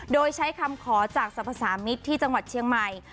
โดยใช้คำขอจากสรรพสามิตรที่จังหวัดเชียงใหม่